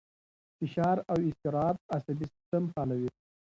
فشار او اضطراب عصبي سیستم فعالوي.